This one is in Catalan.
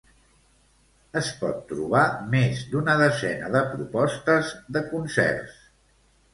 es pot trobar més d'una desena de propostes de concerts